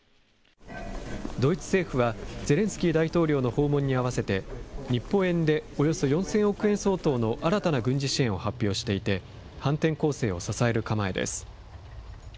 ドイツ政府は、ゼレンスキー大統領の訪問に合わせて、日本円でおよそ４０００億円相当の新たな軍事支援を発表していて、反転攻勢を支える構えです。